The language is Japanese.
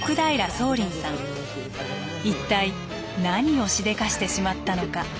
一体何をしでかしてしまったのか。